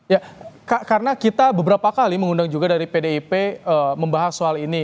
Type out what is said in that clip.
ya karena kita beberapa kali mengundang juga dari pdip membahas soal ini